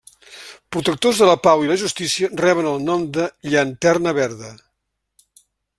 Protectors de la pau i la justícia, reben el nom de Llanterna Verda.